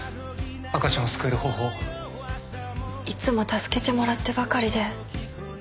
赤ちゃんを救える方法いつも助けてもらってばかりで